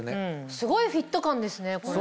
すごいフィット感ですねこれ。